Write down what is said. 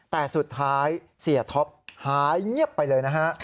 แต่สุดท้ายเสียท็อปหายเงียบไปเลยนะฮะ